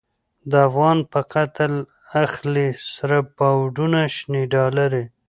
د افغان په قتل اخلی، سره پونډونه شنی ډالری